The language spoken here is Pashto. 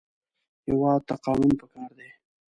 هېواد ته قانون پکار دی